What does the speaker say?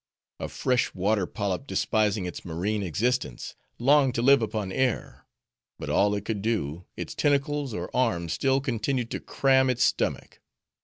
'A fresh water Polyp, despising its marine existence; longed to live upon air. But all it could do, its tentacles or arms still continued to cram its stomach.